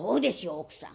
奥さん。